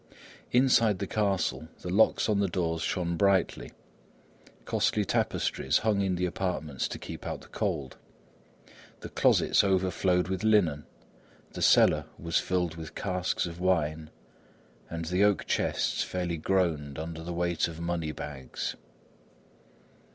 Inside the castle, the locks on the doors shone brightly; costly tapestries hung in the apartments to keep out the cold; the closets overflowed with linen, the cellar was filled with casks of wine, and the oak chests fairly groaned under the weight of money bags.